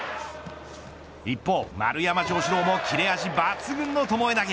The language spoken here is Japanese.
一方、丸山城志郎も切れ味抜群の巴投。